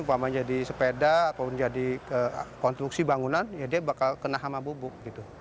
apalagi jadi sepeda ataupun jadi konstruksi bangunan ya dia bakal kena hama bubuk